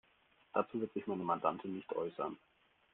Dazu wird sich meine Mandantin nicht äußern.